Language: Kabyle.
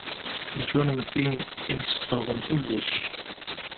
D kennemti i yesxeṛben kullec.